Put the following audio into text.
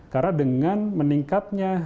karena dengan meningkatnya